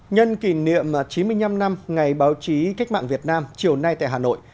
nhân kỷ niệm chín mươi năm năm ngày báo chí cách mạng việt nam chiều nay tại hà nội